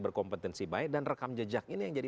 berkompetensi baik dan rekam jejak ini yang jadi